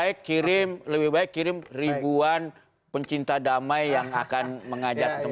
ya lebih baik kirim ribuan pencinta damai yang akan mengambil kesempatan